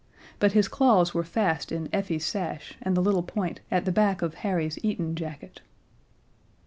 But his claws were fast in Effie's sash and the little point at the back of Harry's Eton jacket.